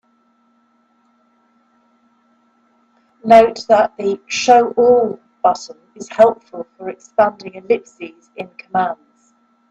Note that the "Show all" button is helpful for expanding ellipses in commands.